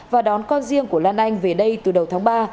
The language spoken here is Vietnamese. và đón con riêng của lan anh về đây từ đầu tháng ba